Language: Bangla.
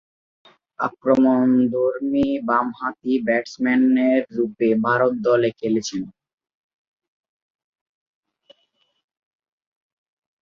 আক্রমণধর্মী বামহাতি ব্যাটসম্যানরূপে ভারত দলে খেলেছেন।